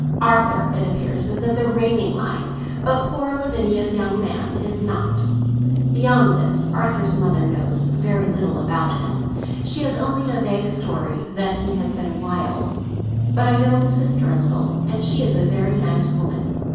Arthur, it appears, is of the reigning line, but poor Lavinia's young man is not. Beyond this, Arthur's mother knows very little about him; she has only a vague story that he has been 'wild.' But I know his sister a little, and she is a very nice woman.